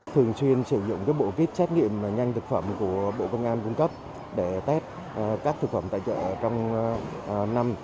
thường xuyên sử dụng bộ vít xét nghiệm nhanh thực phẩm của bộ công an cung cấp để test các thực phẩm tại chợ trong năm